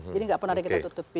jadi tidak pernah kita tutupi